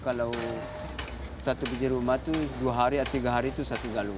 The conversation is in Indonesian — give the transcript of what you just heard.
kalau satu biji rumah itu dua hari atau tiga hari itu satu galung